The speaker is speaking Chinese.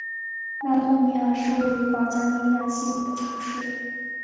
拉多米尔是位于保加利亚西部的城市。